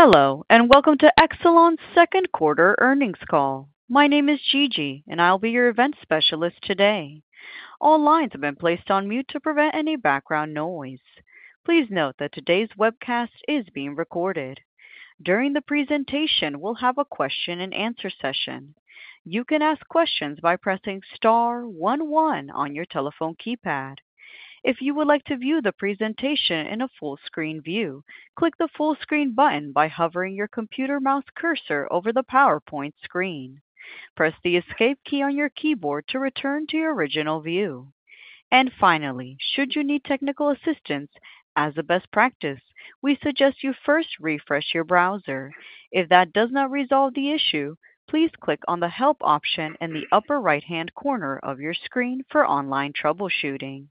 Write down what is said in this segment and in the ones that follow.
Hello, and welcome to Exelon's Second Quarter Earnings Call. My name is Gigi, and I'll be your event specialist today. All lines have been placed on mute to prevent any background noise. Please note that today's webcast is being recorded. During the presentation, we'll have a question-and-answer session. You can ask questions by pressing star one one on your telephone keypad. If you would like to view the presentation in a full-screen view, click the full-screen button by hovering your computer mouse cursor over the PowerPoint screen. Press the escape key on your keyboard to return to your original view. Finally, should you need technical assistance, as a best practice, we suggest you first refresh your browser. If that does not resolve the issue, please click on the help option in the upper right-hand corner of your screen for online troubleshooting.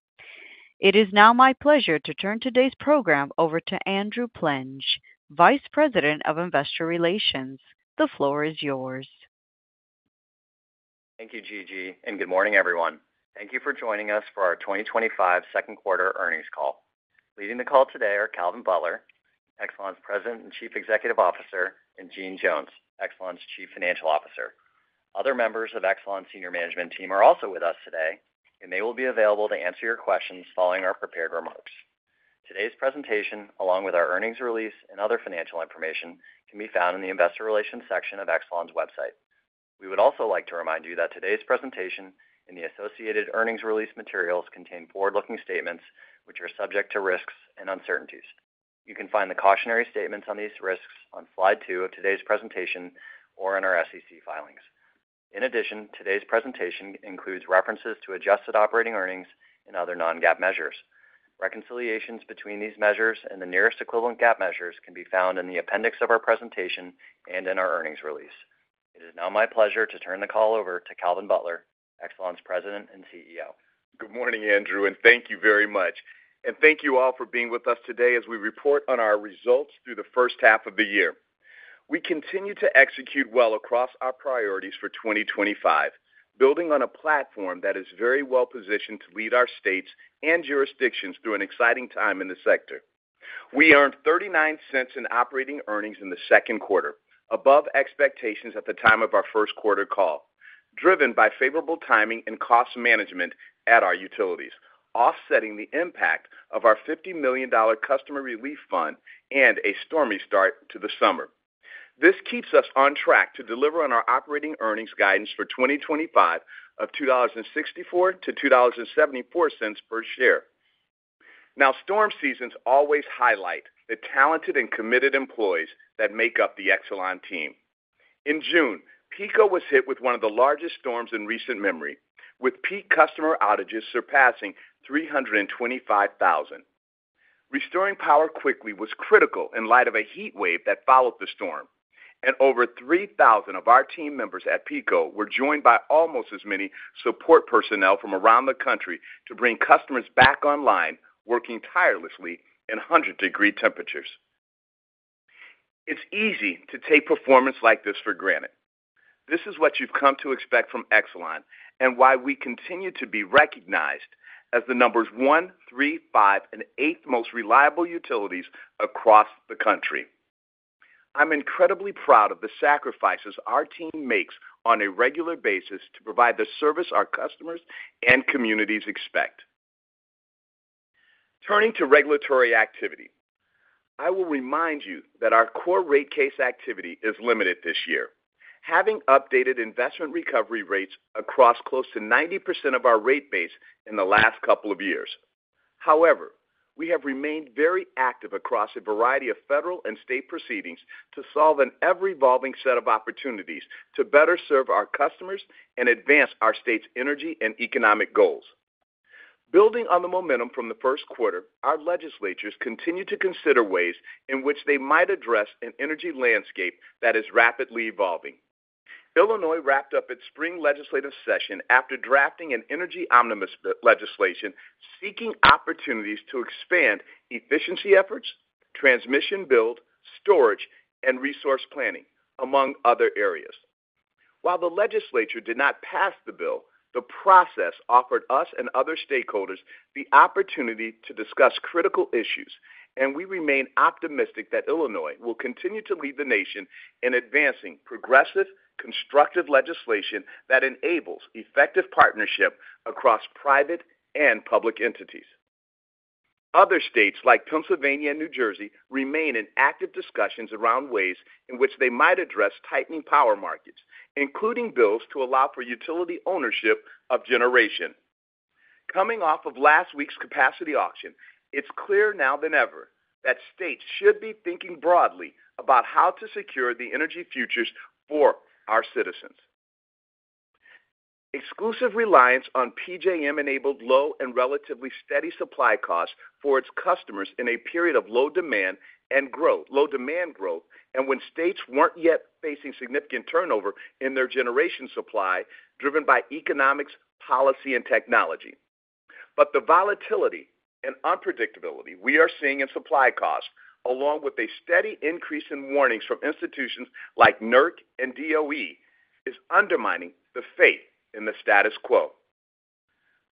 It is now my pleasure to turn today's program over to Andrew Plenge, Vice President of Investor Relations. The floor is yours. Thank you, Gigi, and good morning, everyone. Thank you for joining us for our 2025 Second Quarter Earnings Call. Leading the call today are Calvin Butler, Exelon's President and Chief Executive Officer, and Jeanne Jones, Exelon's Chief Financial Officer. Other members of Exelon's senior management team are also with us today, and they will be available to answer your questions following our prepared remarks. Today's presentation, along with our earnings release and other financial information, can be found in the investor relations section of Exelon's website. We would also like to remind you that today's presentation and the associated earnings release materials contain forward-looking statements which are subject to risks and uncertainties. You can find the cautionary statements on these risks on slide two of today's presentation or in our SEC filings. In addition, today's presentation includes references to adjusted operating earnings and other non-GAAP measures. Reconciliations between these measures and the nearest equivalent GAAP measures can be found in the appendix of our presentation and in our earnings release. It is now my pleasure to turn the call over to Calvin Butler, Exelon's President and CEO. Good morning, Andrew, and thank you very much. Thank you all for being with us today as we report on our results through the first half of the year. We continue to execute well across our priorities for 2025, building on a platform that is very well positioned to lead our states and jurisdictions through an exciting time in the sector. We earned $0.39 in operating earnings in the second quarter, above expectations at the time of our first quarter call, driven by favorable timing and cost management at our utilities, offsetting the impact of our $50 million customer relief fund and a stormy start to the summer. This keeps us on track to deliver on our operating earnings guidance for 2025 of $2.64-$2.74 per share. Storm seasons always highlight the talented and committed employees that make up the Exelon team. In June, PECO was hit with one of the largest storms in recent memory, with peak customer outages surpassing 325,000. Restoring power quickly was critical in light of a heat wave that followed the storm, and over 3,000 of our team members at PECO were joined by almost as many support personnel from around the country to bring customers back online, working tirelessly in 100-degree temperatures. It's easy to take performance like this for granted. This is what you've come to expect from Exelon and why we continue to be recognized as the number one, three, five, and eighth most reliable utilities across the country. I'm incredibly proud of the sacrifices our team makes on a regular basis to provide the service our customers and communities expect. Turning to regulatory activity, I will remind you that our core rate case activity is limited this year, having updated investment recovery rates across close to 90% of our rate base in the last couple of years. However, we have remained very active across a variety of federal and state proceedings to solve an ever-evolving set of opportunities to better serve our customers and advance our states' energy and economic goals. Building on the momentum from the first quarter, our legislatures continue to consider ways in which they might address an energy landscape that is rapidly evolving. Illinois wrapped up its spring legislative session after drafting an energy omnibus legislation seeking opportunities to expand efficiency efforts, transmission build, storage, and resource planning, among other areas. While the legislature did not pass the bill, the process offered us and other stakeholders the opportunity to discuss critical issues, and we remain optimistic that Illinois will continue to lead the nation in advancing progressive, constructive legislation that enables effective partnership across private and public entities. Other states like Pennsylvania and New Jersey remain in active discussions around ways in which they might address tightening power markets, including bills to allow for utility ownership of generation. Coming off of last week's capacity auction, it's clearer now than ever that states should be thinking broadly about how to secure the energy futures for our citizens. Exclusive reliance on PJM-enabled low and relatively steady supply costs for its customers in a period of low demand growth, and when states weren't yet facing significant turnover in their generation supply driven by economics, policy, and technology. The volatility and unpredictability we are seeing in supply costs, along with a steady increase in warnings from institutions like NERC and DOE, is undermining the faith in the status quo.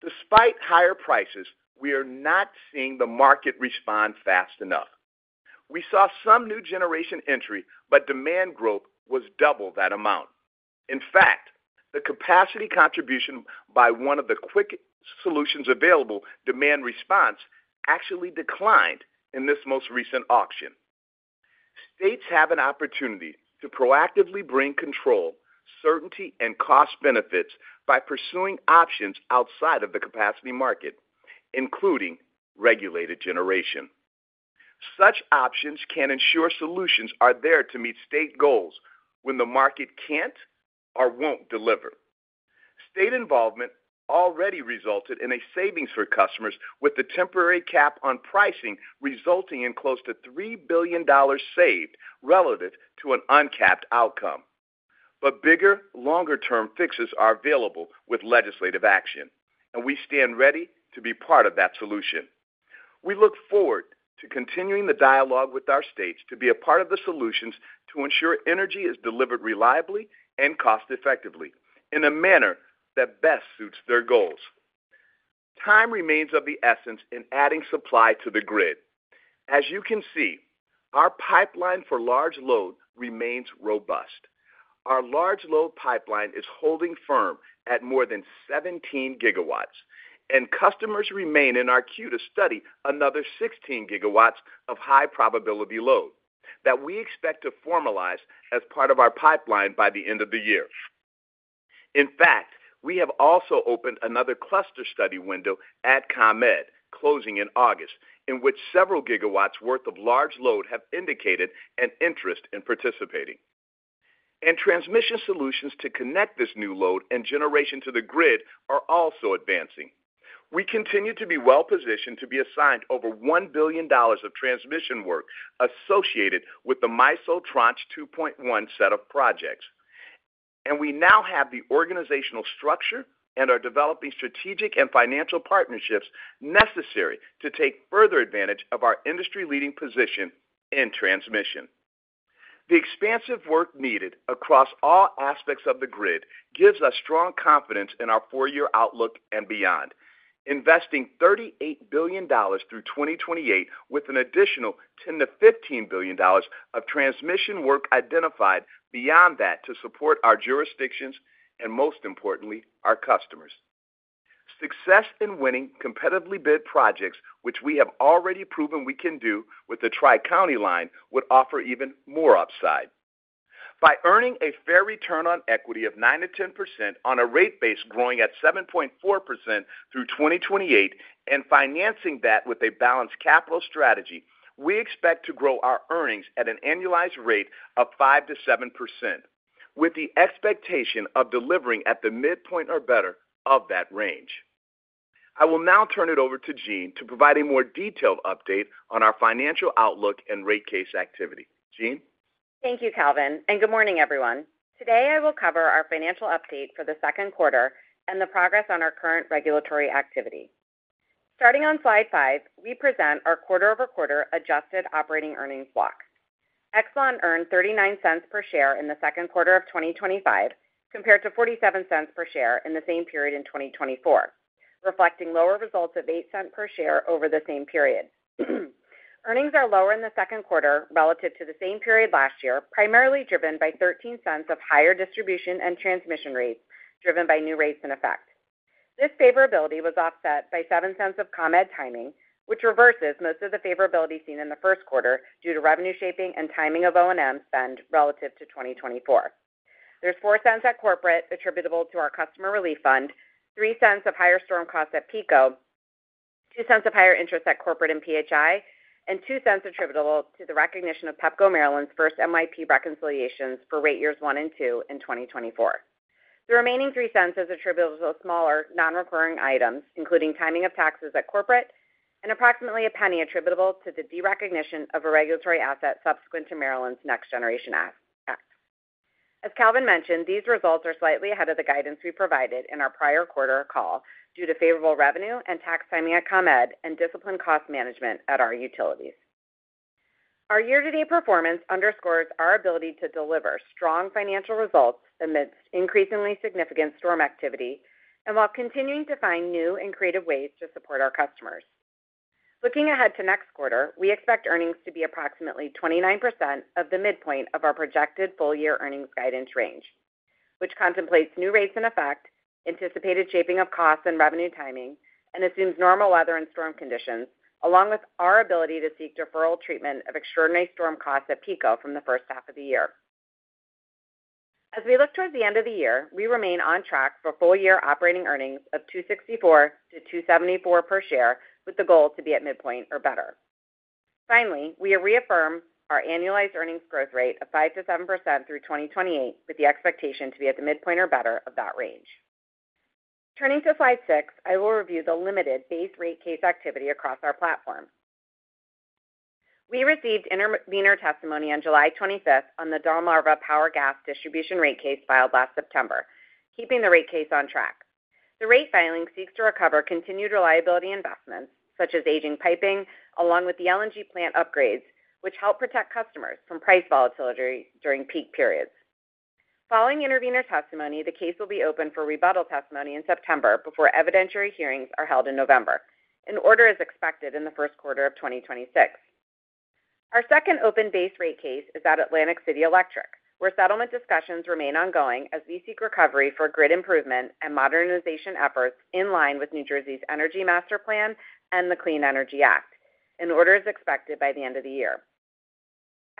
Despite higher prices, we are not seeing the market respond fast enough. We saw some new generation entry, but demand growth was double that amount. In fact, the capacity contribution by one of the quick solutions available, demand response, actually declined in this most recent auction. States have an opportunity to proactively bring control, certainty, and cost benefits by pursuing options outside of the capacity market, including regulated generation. Such options can ensure solutions are there to meet state goals when the market can't or won't deliver. State involvement already resulted in savings for customers with the temporary cap on pricing, resulting in close to $3 billion saved relative to an uncapped outcome. Bigger, longer-term fixes are available with legislative action, and we stand ready to be part of that solution. We look forward to continuing the dialogue with our states to be a part of the solutions to ensure energy is delivered reliably and cost-effectively in a manner that best suits their goals. Time remains of the essence in adding supply to the grid. As you can see, our pipeline for large load remains robust. Our large load pipeline is holding firm at more than 17 GW, and customers remain in our queue to study another 16 GW of high-probability load that we expect to formalize as part of our pipeline by the end of the year. In fact, we have also opened another cluster study window at ComEd, closing in August, in which several gigawatts' worth of large load have indicated an interest in participating. Transmission solutions to connect this new load and generation to the grid are also advancing. We continue to be well-positioned to be assigned over $1 billion of transmission work associated with the MISO-Tranche 2.1 set of projects, and we now have the organizational structure and are developing strategic and financial partnerships necessary to take further advantage of our industry-leading position in transmission. The expansive work needed across all aspects of the grid gives us strong confidence in our four-year outlook and beyond, investing $38 billion through 2028 with an additional $10 billion-$15 billion of transmission work identified beyond that to support our jurisdictions and, most importantly, our customers. Success in winning competitively bid projects, which we have already proven we can do with the Tri-County Line, would offer even more upside. By earning a fair return on equity of 9%-10% on a rate base growing at 7.4% through 2028 and financing that with a balanced capital strategy, we expect to grow our earnings at an annualized rate of 5%-7%, with the expectation of delivering at the midpoint or better of that range. I will now turn it over to Jeanne to provide a more detailed update on our financial outlook and rate case activity. Jeanne? Thank you, Calvin, and good morning, everyone. Today, I will cover our financial update for the second quarter and the progress on our current regulatory activity. Starting on slide five, we present our quarter-over-quarter adjusted operating earnings block. Exelon earned $0.39 per share in the second quarter of 2025 compared to $0.47 per share in the same period in 2024, reflecting lower results of $0.08 per share over the same period. Earnings are lower in the second quarter relative to the same period last year, primarily driven by $0.13 of higher distribution and transmission rates driven by new rates in effect. This favorability was offset by $0.07 of ComEd timing, which reverses most of the favorability seen in the first quarter due to revenue shaping and timing of O&M spend relative to 2024. There's $0.04 at corporate attributable to our customer relief fund, $0.03 of higher storm costs at PECO, $0.02 of higher interest at corporate and PHI, and $0.02 attributable to the recognition of Pepco Maryland's first MYP reconciliations for rate years one and two in 2024. The remaining $0.03 is attributable to smaller, non-recurring items, including timing of taxes at corporate and approximately a penny attributable to the derecognition of a regulatory asset subsequent to Maryland's Next Generation Act. As Calvin mentioned, these results are slightly ahead of the guidance we provided in our prior quarter call due to favorable revenue and tax timing at ComEd and disciplined cost management at our utilities. Our year-to-date performance underscores our ability to deliver strong financial results amidst increasingly significant storm activity and while continuing to find new and creative ways to support our customers. Looking ahead to next quarter, we expect earnings to be approximately 29% of the midpoint of our projected full-year earnings guidance range, which contemplates new rates in effect, anticipated shaping of costs and revenue timing, and assumes normal weather and storm conditions, along with our ability to seek deferral treatment of extraordinary storm costs at PECO from the first half of the year. As we look towards the end of the year, we remain on track for full-year operating earnings of $2.64-$2.74 per share with the goal to be at midpoint or better. Finally, we reaffirm our annualized earnings growth rate of 5%-7% through 2028 with the expectation to be at the midpoint or better of that range. Turning to slide six, I will review the limited base rate case activity across our platform. We received intervenor testimony on July 25th on the Delmarva Power gas distribution rate case filed last September, keeping the rate case on track. The rate filing seeks to recover continued reliability investments such as aging piping, along with the LNG plant upgrades, which help protect customers from price volatility during peak periods. Following intervenor testimony, the case will be open for rebuttal testimony in September before evidentiary hearings are held in November, with an order expected in the first quarter of 2026. Our second open base rate case is at Atlantic City Electric, where settlement discussions remain ongoing as we seek recovery for grid improvement and modernization efforts in line with New Jersey's Energy Master Plan and the Clean Energy Act, with an order expected by the end of the year.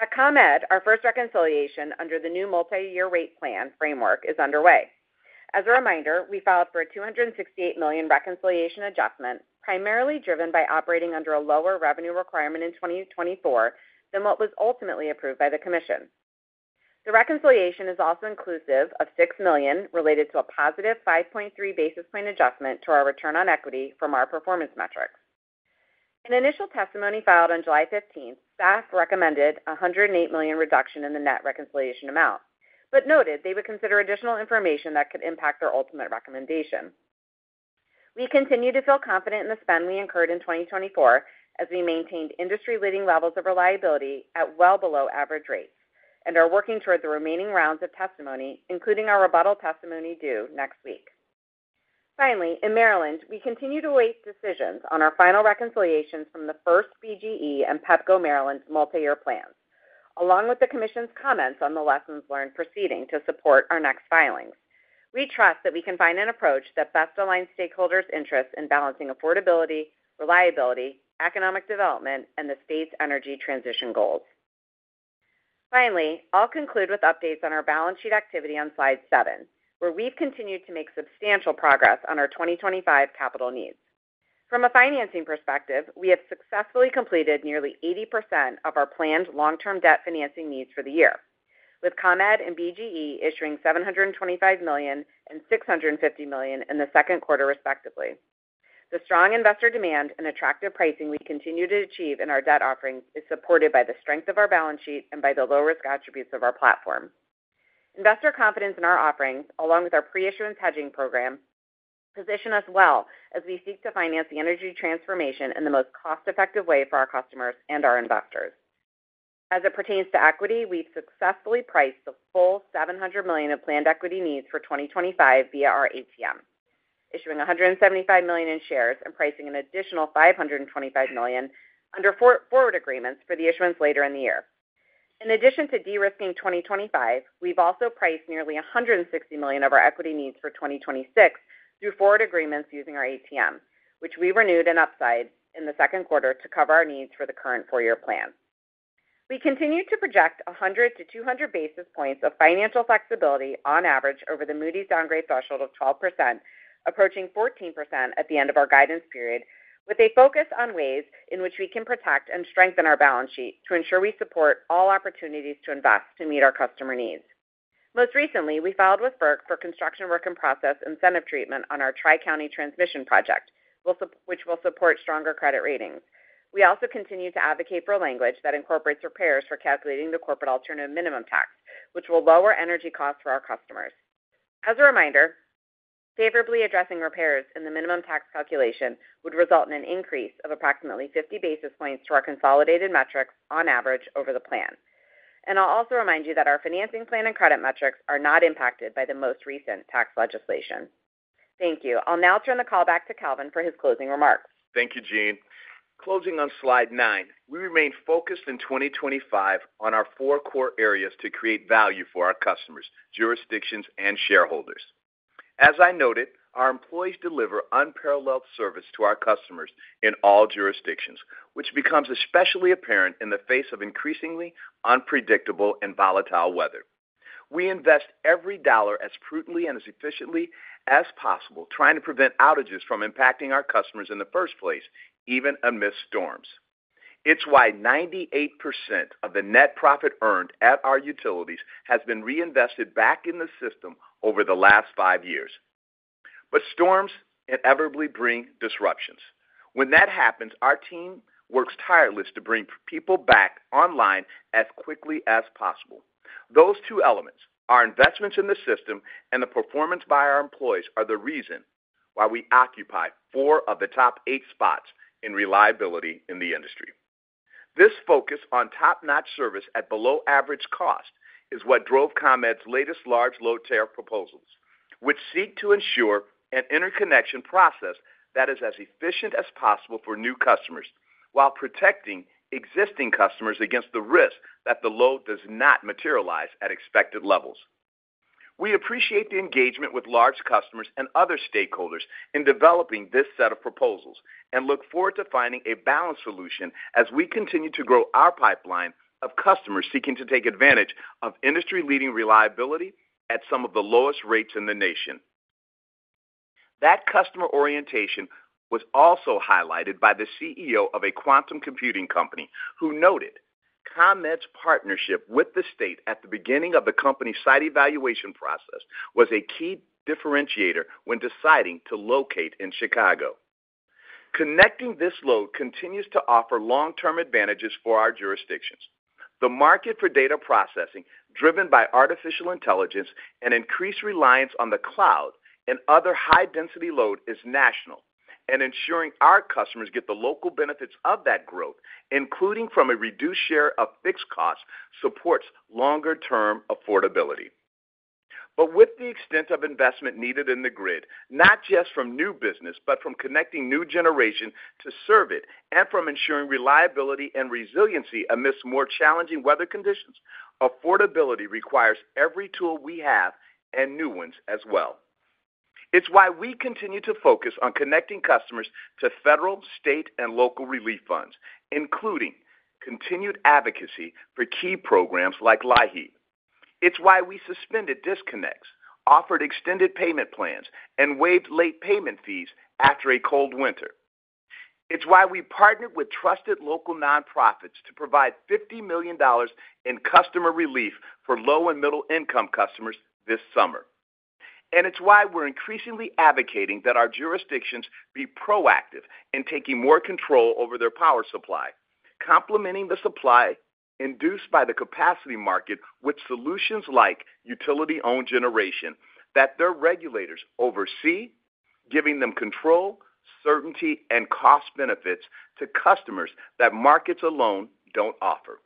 At ComEd, our first reconciliation under the new multi-year rate plan framework is underway. As a reminder, we filed for a $268 million reconciliation adjustment, primarily driven by operating under a lower revenue requirement in 2024 than what was ultimately approved by the commission. The reconciliation is also inclusive of $6 million related to a positive 5.3 basis point adjustment to our return on equity from our performance metrics. In initial testimony filed on July 15th, staff recommended a $108 million reduction in the net reconciliation amount but noted they would consider additional information that could impact their ultimate recommendation. We continue to feel confident in the spend we incurred in 2024 as we maintained industry-leading levels of reliability at well below average rates and are working toward the remaining rounds of testimony, including our rebuttal testimony due next week. In Maryland, we continue to await decisions on our final reconciliations from the first BGE and Pepco Maryland's multi-year plans, along with the commission's comments on the lessons learned proceeding to support our next filings. We trust that we can find an approach that best aligns stakeholders' interests in balancing affordability, reliability, economic development, and the state's energy transition goals. I'll conclude with updates on our balance sheet activity on slide seven, where we've continued to make substantial progress on our 2025 capital needs. From a financing perspective, we have successfully completed nearly 80% of our planned long-term debt financing needs for the year, with ComEd and BGE issuing $725 million and $650 million in the second quarter, respectively. The strong investor demand and attractive pricing we continue to achieve in our debt offerings is supported by the strength of our balance sheet and by the low-risk attributes of our platform. Investor confidence in our offerings, along with our pre-issuance hedging program, position us well as we seek to finance the energy transformation in the most cost-effective way for our customers and our investors. As it pertains to equity, we've successfully priced the full $700 million of planned equity needs for 2025 via our ATM, issuing $175 million in shares and pricing an additional $525 million under forward agreements for the issuance later in the year. In addition to de-risking 2025, we've also priced nearly $160 million of our equity needs for 2026 through forward agreements using our ATM, which we renewed in upside in the second quarter to cover our needs for the current four-year plan. We continue to project 100 basis points-200 basis points of financial flexibility on average over the Moody's downgrade threshold of 12%, approaching 14% at the end of our guidance period, with a focus on ways in which we can protect and strengthen our balance sheet to ensure we support all opportunities to invest to meet our customer needs. Most recently, we filed with FERC for construction work in process incentive treatment on our Tri-County transmission project, which will support stronger credit ratings. We also continue to advocate for a language that incorporates repairs for calculating the corporate alternative minimum tax, which will lower energy costs for our customers. Favorably addressing repairs in the minimum tax calculation would result in an increase of approximately 50 basis points to our consolidated metrics on average over the plan. I'll also remind you that our financing plan and credit metrics are not impacted by the most recent tax legislation. Thank you. I'll now turn the call back to Calvin for his closing remarks. Thank you, Jeanne. Closing on slide nine, we remain focused in 2025 on our four core areas to create value for our customers, jurisdictions, and shareholders. As I noted, our employees deliver unparalleled service to our customers in all jurisdictions, which becomes especially apparent in the face of increasingly unpredictable and volatile weather. We invest every dollar as prudently and as efficiently as possible, trying to prevent outages from impacting our customers in the first place, even amidst storms. It's why 98% of the net profit earned at our utilities has been reinvested back in the system over the last five years. Storms inevitably bring disruptions. When that happens, our team works tirelessly to bring people back online as quickly as possible. Those two elements, our investments in the system and the performance by our employees, are the reason why we occupy four of the top eight spots in reliability in the industry. This focus on top-notch service at below-average cost is what drove ComEd's latest large load tariff proposals, which seek to ensure an interconnection process that is as efficient as possible for new customers while protecting existing customers against the risk that the load does not materialize at expected levels. We appreciate the engagement with large customers and other stakeholders in developing this set of proposals and look forward to finding a balanced solution as we continue to grow our pipeline of customers seeking to take advantage of industry-leading reliability at some of the lowest rates in the nation. That customer orientation was also highlighted by the CEO of a quantum computing company, who noted ComEd's partnership with the state at the beginning of the company's site evaluation process was a key differentiator when deciding to locate in Chicago. Connecting this load continues to offer long-term advantages for our jurisdictions. The market for data processing, driven by artificial intelligence and increased reliance on the cloud and other high-density load, is national, and ensuring our customers get the local benefits of that growth, including from a reduced share of fixed costs, supports longer-term affordability. With the extent of investment needed in the grid, not just from new business, but from connecting new generation to service and from ensuring reliability and resiliency amidst more challenging weather conditions, affordability requires every tool we have and new ones as well. It's why we continue to focus on connecting customers to federal, state, and local relief funds, including continued advocacy for key programs like LIHEAP. It's why we suspended disconnects, offered extended payment plans, and waived late payment fees after a cold winter. It's why we partnered with trusted local nonprofits to provide $50 million in customer relief for low and middle-income customers this summer. It's why we're increasingly advocating that our jurisdictions be proactive in taking more control over their power supply, complementing the supply induced by the capacity market with solutions like utility-owned generation that their regulators oversee, giving them control, certainty, and cost benefits to customers that markets alone don't offer.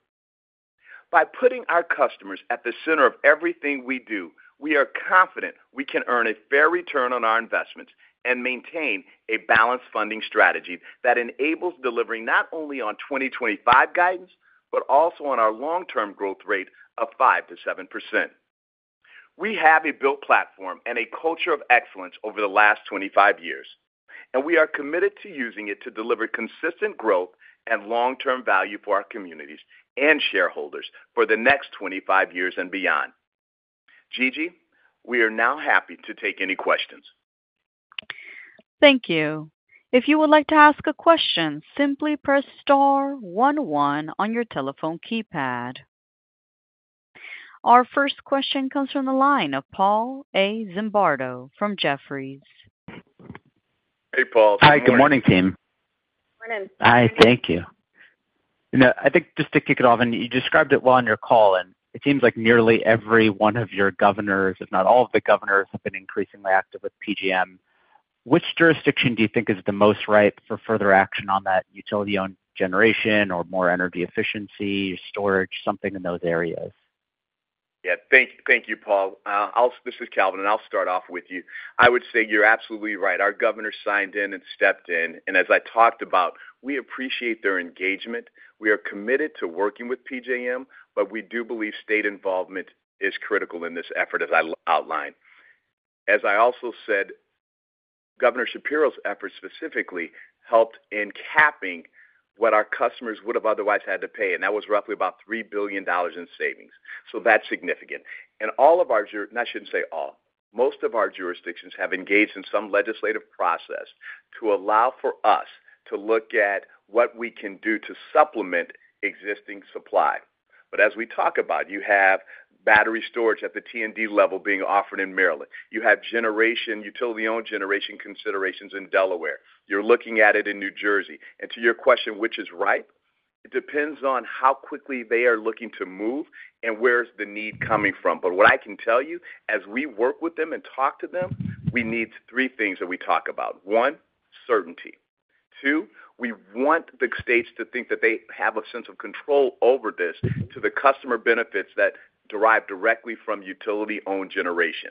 By putting our customers at the center of everything we do, we are confident we can earn a fair return on our investments and maintain a balanced funding strategy that enables delivering not only on 2025 guidance but also on our long-term growth rate of 5%-7%. We have built a platform and a culture of excellence over the last 25 years, and we are committed to using it to deliver consistent growth and long-term value for our communities and shareholders for the next 25 years and beyond. Gigi, we are now happy to take any questions. Thank you. If you would like to ask a question, simply press star 11 on your telephone keypad. Our first question comes from the line of Paul A. Zimbardo from Jefferies. Hey, Paul. Hi. Good morning, team. Morning. Hi. Thank you. I think just to kick it off, you described it well on your call, and it seems like nearly every one of your governors, if not all of the governors, have been increasingly active with PJM. Which jurisdiction do you think is the most right for further action on that utility-owned generation or more energy efficiency, storage, something in those areas? Yeah. Thank you, Paul. This is Calvin, and I'll start off with you. I would say you're absolutely right. Our governor signed in and stepped in. As I talked about, we appreciate their engagement. We are committed to working with PJM, but we do believe state involvement is critical in this effort, as I outlined. As I also said, Governor Shapiro's effort specifically helped in capping what our customers would have otherwise had to pay. That was roughly about $3 billion in savings. That's significant. Most of our jurisdictions have engaged in some legislative process to allow for us to look at what we can do to supplement existing supply. As we talk about, you have battery storage at the T&D level being offered in Maryland. You have utility-owned generation considerations in Delaware. You're looking at it in New Jersey. To your question, which is right, it depends on how quickly they are looking to move and where's the need coming from. What I can tell you, as we work with them and talk to them, we need three things that we talk about. One, certainty. Two, we want the states to think that they have a sense of control over this to the customer benefits that derive directly from utility-owned generation.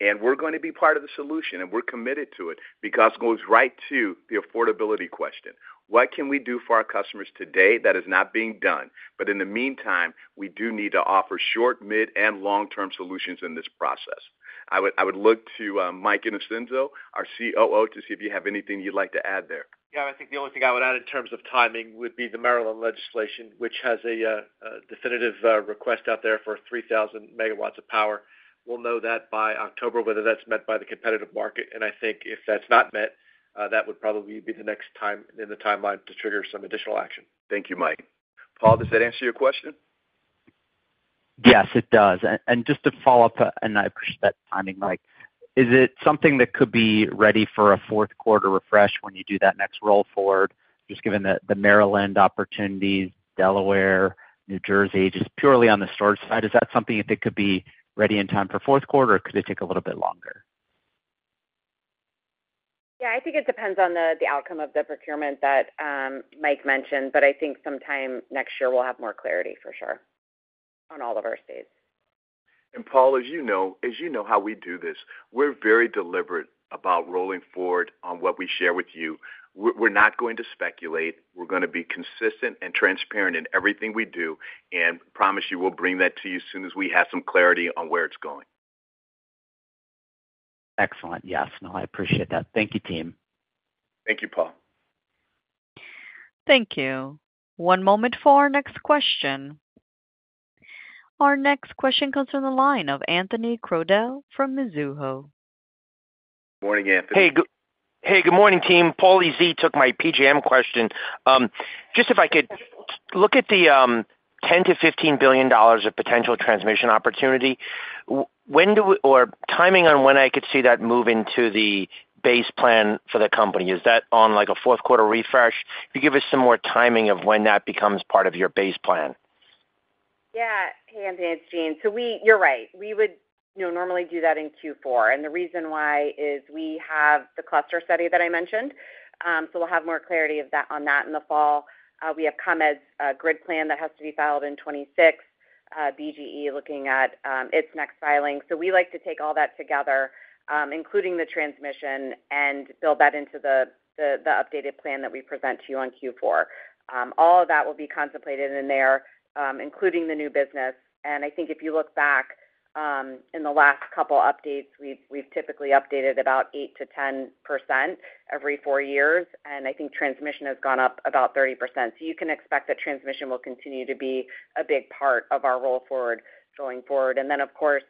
We're going to be part of the solution, and we're committed to it because it goes right to the affordability question. What can we do for our customers today that is not being done? In the meantime, we do need to offer short, mid, and long-term solutions in this process. I would look to Mike Innocenzo, our COO, to see if you have anything you'd like to add there. Yeah, I think the only thing I would add in terms of timing would be the Maryland legislation, which has a definitive request out there for 3,000 MW of power. We'll know that by October, whether that's met by the competitive market. If that's not met, that would probably be the next time in the timeline to trigger some additional action. Thank you, Mike. Paul, does that answer your question? Yes, it does. Just to follow up, and I appreciate that timing, Mike, is it something that could be ready for a fourth quarter refresh when you do that next roll forward, just given the Maryland opportunities, Delaware, New Jersey, just purely on the storage side? Is that something that could be ready in time for fourth quarter, or could it take a little bit longer? I think it depends on the outcome of the procurement that Mike mentioned, but I think sometime next year we'll have more clarity, for sure, on all of our states. Paul, as you know how we do this, we're very deliberate about rolling forward on what we share with you. We're not going to speculate. We're going to be consistent and transparent in everything we do, and promise you we'll bring that to you as soon as we have some clarity on where it's going. Excellent. Yes. No, I appreciate that. Thank you, team. Thank you, Paul. Thank you. One moment for our next question. Our next question comes from the line of Anthony Crowdell from Mizuho. Good morning, Anthony. Good morning, team. Paul A.Z. took my PJM question. If I could look at the $10 billion-$15 billion of potential transmission opportunity, or timing on when I could see that move into the base plan for the company, is that on a fourth quarter refresh? If you could give us some more timing of when that becomes part of your base plan. Yeah. Hey, Anthony and Jeanne. You're right. We would normally do that in Q4. The reason why is we have the cluster study that I mentioned. We'll have more clarity on that in the fall. We have ComEd's grid plan that has to be filed in 2026, BGE looking at its next filing. We like to take all that together, including the transmission, and build that into the updated plan that we present to you in Q4. All of that will be contemplated in there, including the new business. I think if you look back, in the last couple of updates, we've typically updated about 8%-10% every four years. I think transmission has gone up about 30%. You can expect that transmission will continue to be a big part of our roll forward going forward. Of course,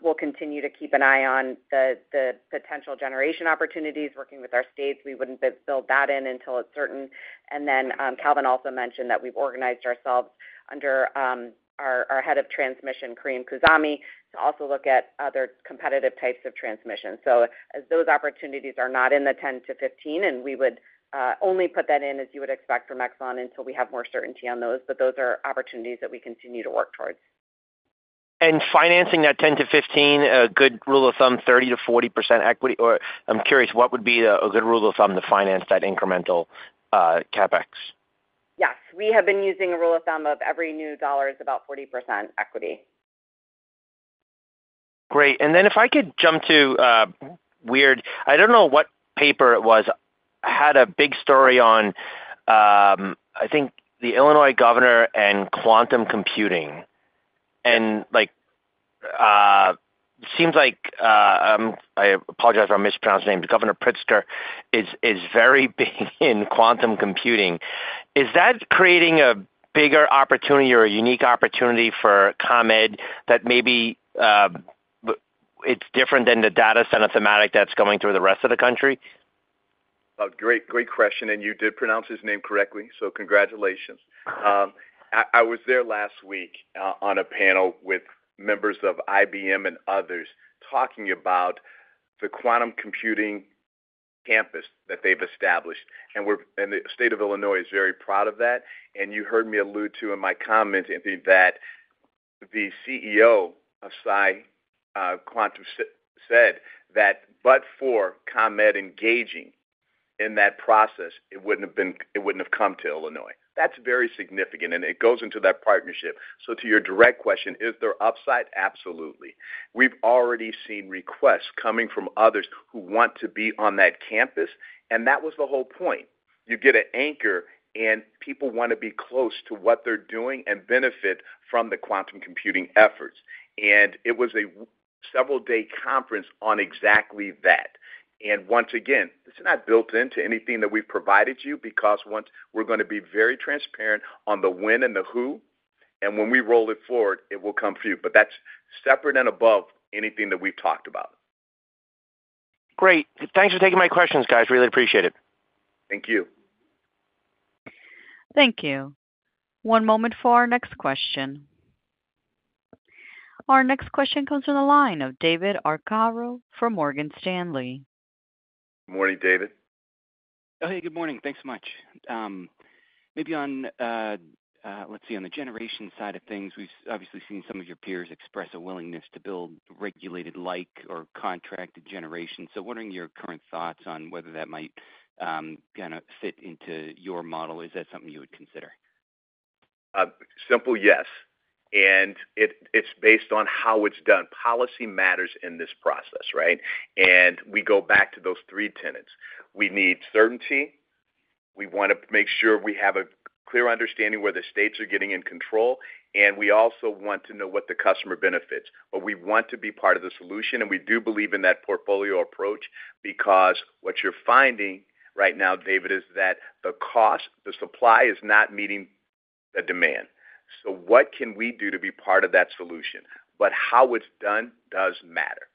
we'll continue to keep an eye on the potential generation opportunities working with our states. We wouldn't build that in until it's certain. Calvin also mentioned that we've organized ourselves under our Head of Transmission, Carim Khouzami, to also look at other competitive types of transmission. Those opportunities are not in the 10%-15%, and we would only put that in, as you would expect from Exelon, when we have more certainty on those. Those are opportunities that we continue to work towards. Financing that $10 billion-$15 billion, a good rule of thumb, 30%-40% equity? I'm curious, what would be a good rule of thumb to finance that incremental CapEx? Yes. We have been using a rule of thumb of every new dollar is about 40% equity. Great. If I could jump to—I don't know what paper it was—had a big story on the Illinois governor and quantum computing. It seems like, I apologize if I mispronounce names, Governor Pritzker is very big in quantum computing. Is that creating a bigger opportunity or a unique opportunity for ComEd that maybe is different than the data center thematic that's going through the rest of the country? Great question. You did pronounce his name correctly, so congratulations. I was there last week on a panel with members of IBM and others talking about the quantum computing campus that they've established. The state of Illinois is very proud of that. You heard me allude to in my comment, Anthony, that the CEO of PsiQuantum said that but for ComEd engaging in that process, it wouldn't have come to Illinois. That's very significant, and it goes into that partnership. To your direct question, is there upside? Absolutely. We've already seen requests coming from others who want to be on that campus, and that was the whole point. You get an anchor, and people want to be close to what they're doing and benefit from the quantum computing efforts. It was a several-day conference on exactly that. This is not built into anything that we've provided you because we're going to be very transparent on the when and the who. When we roll it forward, it will come for you. That's separate and above anything that we've talked about. Great. Thanks for taking my questions, guys. Really appreciate it. Thank you. Thank you. One moment for our next question. Our next question comes from the line of David Arcaro from Morgan Stanley. Good morning, David. Good morning. Thanks so much. On the generation side of things, we've obviously seen some of your peers express a willingness to build regulated-like or contracted generation. What are your current thoughts on whether that might fit into your model? Is that something you would consider? Simple, yes. It's based on how it's done. Policy matters in this process, right? We go back to those three tenets. We need certainty. We want to make sure we have a clear understanding where the states are getting in control. We also want to know what the customer benefits. We want to be part of the solution. We do believe in that portfolio approach because what you're finding right now, David, is that the supply is not meeting the demand. What can we do to be part of that solution? How it's done does matter.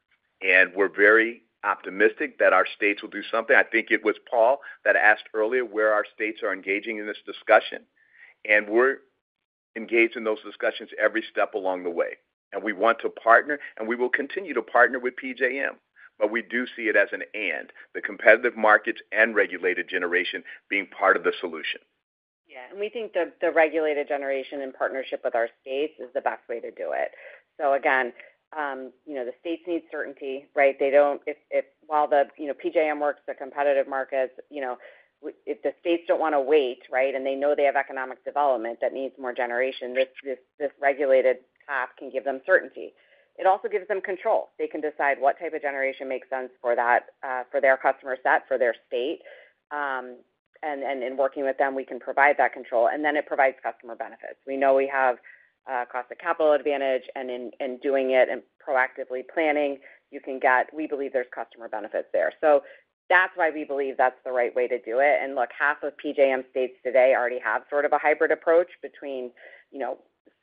We're very optimistic that our states will do something. I think it was Paul that asked earlier where our states are engaging in this discussion. We're engaged in those discussions every step along the way. We want to partner, and we will continue to partner with PJM. We do see it as an end, the competitive markets and regulated generation being part of the solution. Yeah. We think the regulated generation in partnership with our states is the best way to do it. The states need certainty, right? While the PJM works, the competitive markets, if the states don't want to wait, right, and they know they have economic development that needs more generation, this regulated path can give them certainty. It also gives them control. They can decide what type of generation makes sense for their customer set, for their state. In working with them, we can provide that control. It provides customer benefits. We know we have a cost of capital advantage. In doing it and proactively planning, you can get—we believe there's customer benefits there. That's why we believe that's the right way to do it. Look, half of PJM states today already have sort of a hybrid approach between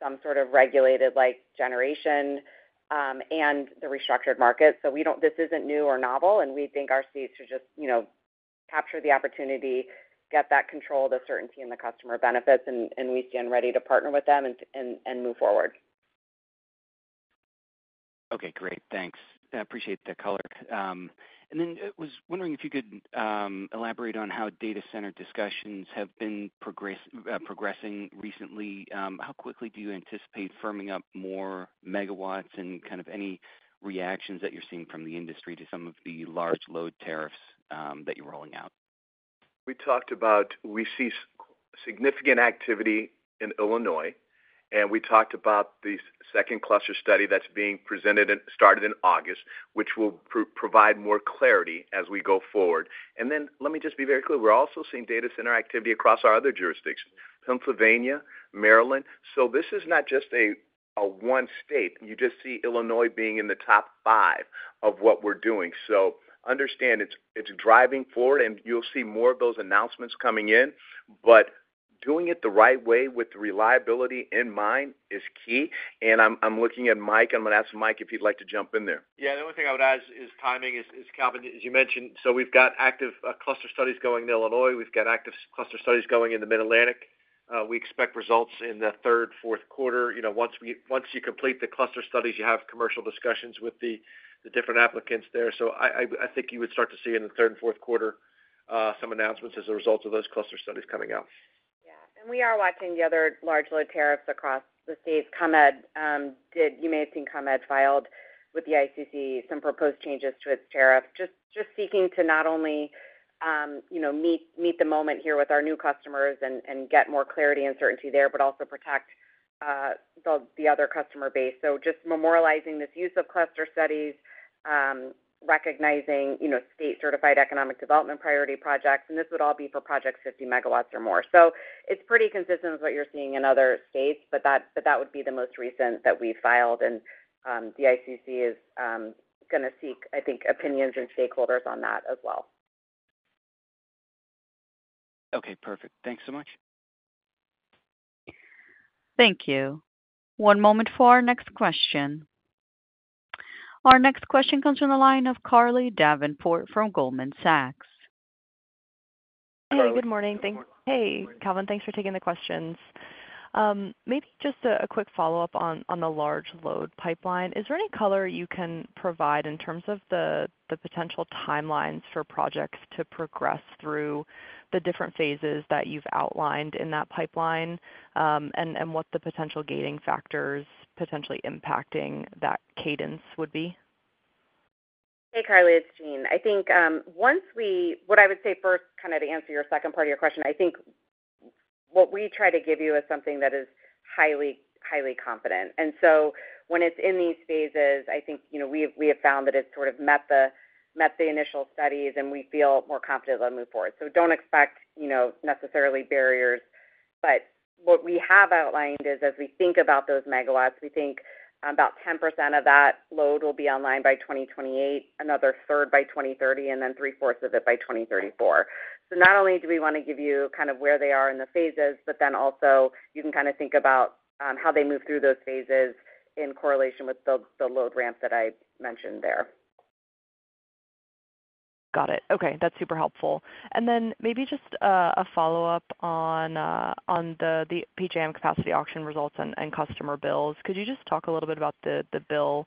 some sort of regulated-like generation and the restructured market. This isn't new or novel. We think our states should just capture the opportunity, get that control, the certainty, and the customer benefits. We stand ready to partner with them and move forward. Okay. Great. Thanks. I appreciate the color. I was wondering if you could elaborate on how data center discussions have been progressing recently. How quickly do you anticipate firming up more megawatts and kind of any reactions that you're seeing from the industry to some of the large load tariffs that you're rolling out? We talked about significant activity in Illinois. We talked about the second cluster study that's being presented and started in August, which will provide more clarity as we go forward. Let me just be very clear. We're also seeing data center activity across our other jurisdictions, Pennsylvania and Maryland. This is not just one state. You just see Illinois being in the top five of what we're doing. Understand it's driving forward, and you'll see more of those announcements coming in. Doing it the right way with reliability in mind is key. I'm looking at Mike. I'm going to ask Mike if he'd like to jump in there. The only thing I would add is timing. As you mentioned, we've got active cluster studies going in Illinois and active cluster studies going in the Mid-Atlantic. We expect results in the third, fourth quarter. Once you complete the cluster studies, you have commercial discussions with the different applicants there. I think you would start to see in the third and fourth quarter some announcements as a result of those cluster studies coming out. We are watching the other large load tariffs across the states. You may have seen ComEd filed with the ICC some proposed changes to its tariff, just seeking to not only meet the moment here with our new customers and get more clarity and certainty there, but also protect the other customer base. Just memorializing this use of cluster studies, recognizing state-certified economic development priority projects, and this would all be for projects 50 MW or more. It is pretty consistent with what you're seeing in other states, but that would be the most recent that we filed. The ICC is going to seek, I think, opinions and stakeholders on that as well. Okay, perfect. Thanks so much. Thank you. One moment for our next question. Our next question comes from the line of Carly Davenport from Goldman Sachs. Good morning. Thanks. Hey, Calvin. Thanks for taking the questions. Maybe just a quick follow-up on the large load pipeline. Is there any color you can provide in terms of the potential timelines for projects to progress through the different phases that you've outlined in that pipeline? What the potential gating factors potentially impacting that cadence would be? Hey, Carly. It's Jeanne. I think what I would say first, kind of to answer your second part of your question, I think what we try to give you is something that is highly confident. When it's in these phases, we have found that it's sort of met the initial studies, and we feel more confident to move forward. Don't expect necessarily barriers. What we have outlined is, as we think about those megawatts, we think about 10% of that load will be online by 2028, another third by 2030, and then 3/4 of it by 2034. Not only do we want to give you kind of where they are in the phases, but also you can kind of think about how they move through those phases in correlation with the load ramp that I mentioned there. Got it. Okay. That's super helpful. Maybe just a follow-up on the PJM capacity auction results and customer bills. Could you just talk a little bit about the bill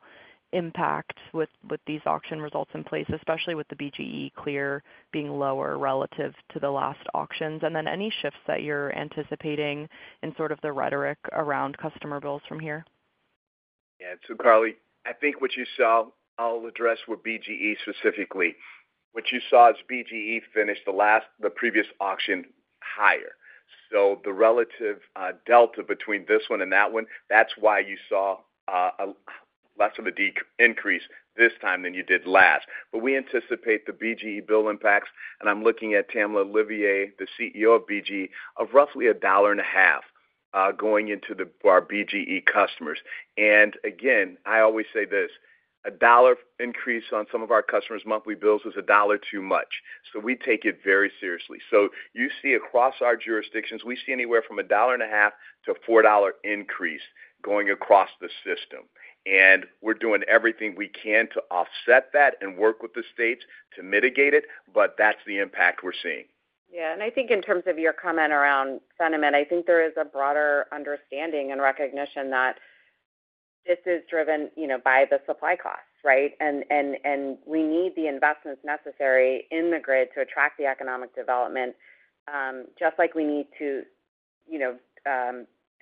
impact with these auction results in place, especially with the BGE clear being lower relative to the last auctions? Any shifts that you're anticipating in sort of the rhetoric around customer bills from here? Yeah. Carly, I think what you saw—I'll address with BGE specifically—what you saw is BGE finished the previous auction higher. The relative delta between this one and that one, that's why you saw less of a decrease this time than you did last. We anticipate the BGE bill impacts, and I'm looking at Tamla Olivier, the CEO of BG, of roughly $1.50 going into our BGE customers. I always say this: a $1 increase on some of our customers' monthly bills is a dollar too much. We take it very seriously. Across our jurisdictions, we see anywhere from $1.50 to a $4 increase going across the system. We're doing everything we can to offset that and work with the states to mitigate it, but that's the impact we're seeing. I think in terms of your comment around sentiment, I think there is a broader understanding and recognition that this is driven by the supply costs, right? We need the investments necessary in the grid to attract the economic development, just like we need to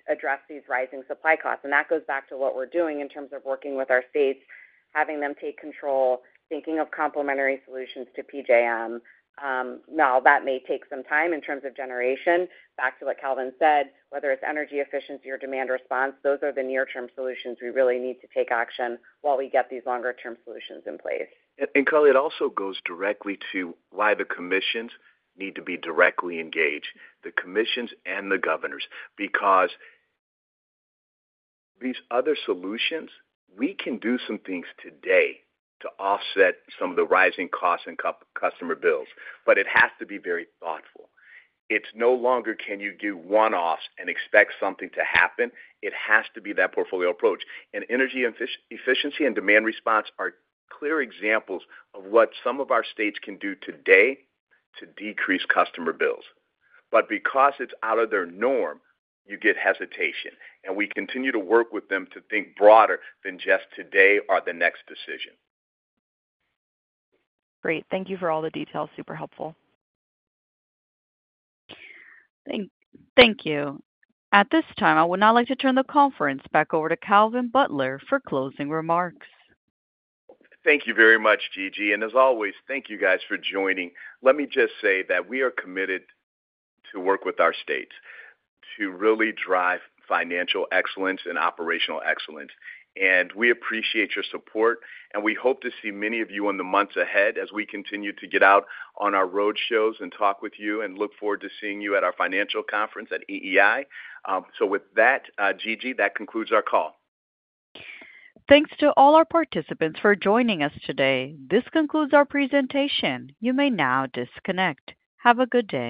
address these rising supply costs. That goes back to what we're doing in terms of working with our states, having them take control, thinking of complementary solutions to PJM. That may take some time in terms of generation. Back to what Calvin said, whether it's energy efficiency or demand response, those are the near-term solutions we really need to take action while we get these longer-term solutions in place. Carly, it also goes directly to why the commissions need to be directly engaged, the commissions and the governors, because these other solutions, we can do some things today to offset some of the rising costs and customer bills. It has to be very thoughtful. It's no longer, "Can you do one-offs and expect something to happen?" It has to be that portfolio approach. Energy efficiency and demand response are clear examples of what some of our states can do today to decrease customer bills. Because it's out of their norm, you get hesitation. We continue to work with them to think broader than just today or the next decision. Great. Thank you for all the details. Super helpful. Thank you. At this time, I would now like to turn the conference back over to Calvin Butler for closing remarks. Thank you very much, Gigi. As always, thank you guys for joining. Let me just say that we are committed to work with our states to really drive financial excellence and operational excellence. We appreciate your support. We hope to see many of you in the months ahead as we continue to get out on our roadshows and talk with you and look forward to seeing you at our financial conference at EEI. With that, Gigi, that concludes our call. Thanks to all our participants for joining us today. This concludes our presentation. You may now disconnect. Have a good day.